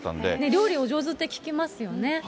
料理お上手って聞きますよね。